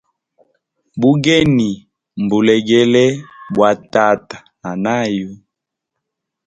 Bugeni mbulegele bwa tata na nayu.